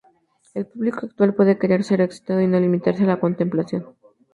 El público actual puede querer ser excitado y no limitarse a la contemplación.